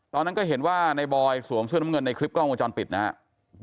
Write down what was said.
ตอนนั้นก็เห็นว่าในบอยสวมเสื้อน้ำเงินในคลิปกล้องวงจรปิดนะครับ